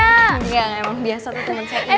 emang biasa tuh temen saya ini